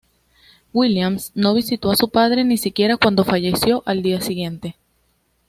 Williams no visitó a su padre, ni siquiera cuando falleció al día siguiente.